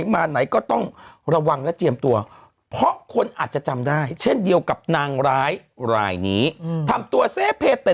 นี่นี่นี่นี่นี่นี่นี่นี่นี่นี่นี่นี่นี่นี่นี่นี่นี่